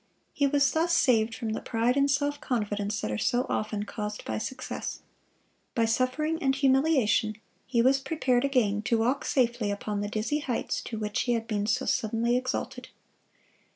He was thus saved from the pride and self confidence that are so often caused by success. By suffering and humiliation he was prepared again to walk safely upon the dizzy heights to which he had been so suddenly exalted.